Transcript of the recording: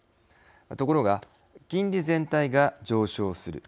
ところが、金利全体が上昇する。